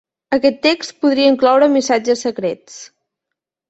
Aquest text podria incloure missatges secrets.